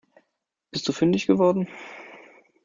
Bist du fündig geworden?